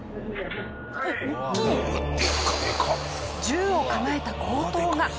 銃を構えた強盗が。